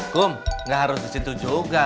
kum tidak harus di situ juga